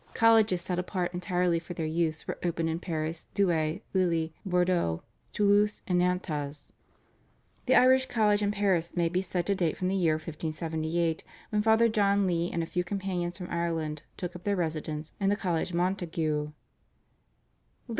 Colleges set apart entirely for their use were opened in Paris, Douay, Lille, Bordeaux, Toulouse, and Nantes. The Irish College in Paris may be said to date from the year 1578, when Father John Lee and a few companions from Ireland took up their residence in the Collège Montaigu.